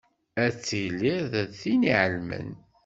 Ad tiliḍ d tin iɛelmen.